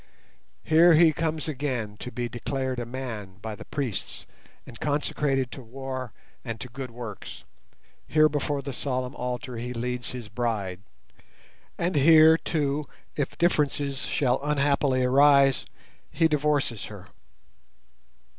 Here he comes again to be declared "a man" by the priests, and consecrated to war and to good works; here before the solemn altar he leads his bride; and here too, if differences shall unhappily arise, he divorces her.